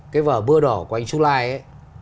cái vở mưa đỏ của anh chu lai ấy